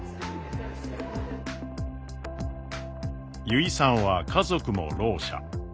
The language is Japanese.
油井さんは家族もろう者。